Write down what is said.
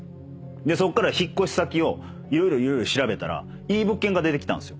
でそっから引っ越し先を色々色々調べたらいい物件が出てきたんすよ。